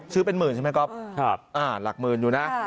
ชื่อเป็นหมื่นใช่ไหมครับก๊อบอ่าหลักหมื่นอยู่นะ